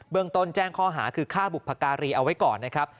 เมืองต้นแจ้งข้อหาคือฆ่าบุพการีเอาไว้ก่อนนะครับ